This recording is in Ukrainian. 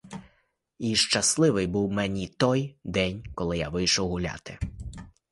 І щасливий був мені той день, коли я вийшов гуляти.